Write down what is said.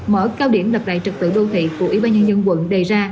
mở cao điểm lập đại trật tự đô thị của ybnd quận đề ra